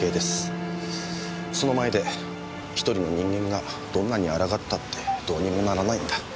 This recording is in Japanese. その前で１人の人間がどんなに抗ったってどうにもならないんだ。